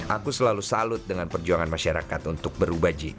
aku selalu salut dengan perjuangan masyarakat untuk berubah ji